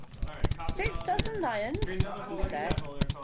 “Six dozen lions?” he said.